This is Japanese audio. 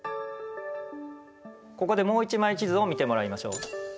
ここでもう一枚地図を見てもらいましょう。